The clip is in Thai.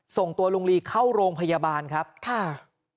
ส่งตัวลุงลีเข้าโรงพยาบาลครับค่ะ